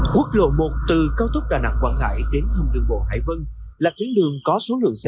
quốc lộ một từ cao tốc đà nẵng quảng ngãi đến thông đường bộ hải vân là thủy lượng có số lượng xe ô tô